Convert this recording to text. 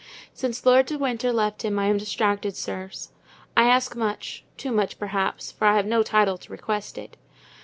Since Lord de Winter left him I am distracted, sirs. I ask much, too much, perhaps, for I have no title to request it.